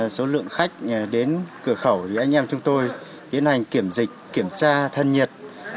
số lượng khách đến cửa khẩu thì anh em chúng tôi tiến hành kiểm dịch kiểm tra thân nhiệt